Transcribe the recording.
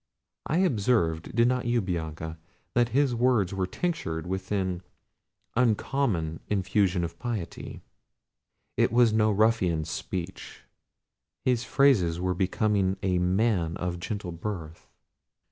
I observed, did not you, Bianca? that his words were tinctured with an uncommon infusion of piety. It was no ruffian's speech; his phrases were becoming a man of gentle birth."